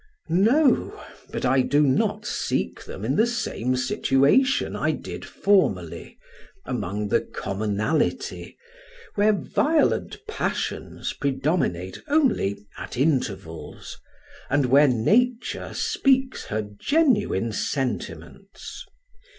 No; but I do not seek them in the same situation I did formerly, among the commonality, where violent passions predominate only at intervals, and where nature speaks her genuine sentiments.